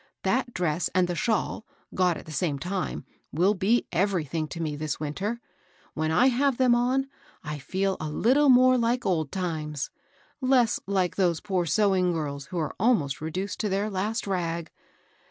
That dress and the shawl, got at the same time, will be everything to me this winter. When I have them on, I feel a little more like old COLD NOVEMBER. 195 times, — less like those poor sewing girls who are almost reduced to their last rag.